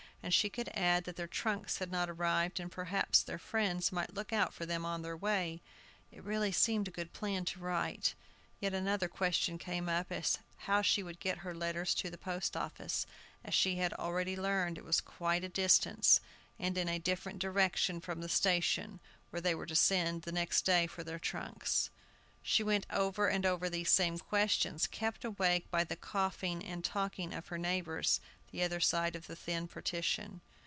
And she could add that their trunks had not arrived, and perhaps their friends might look out for them on their way. It really seemed a good plan to write. Yet another question came up, as to how she would get her letters to the post office, as she had already learned it was at quite a distance, and in a different direction from the station, where they were to send the next day for their trunks. She went over and over these same questions, kept awake by the coughing and talking of her neighbors, the other side of the thin partition.